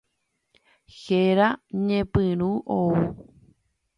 Héra ñepyrũ ou.